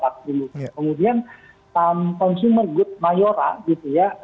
kemudian consumer good mayora gitu ya